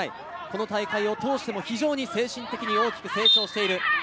この大会を通しても非常に精神的に大きく成長している。